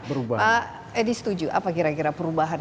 pak edi setuju apa kira kira perubahan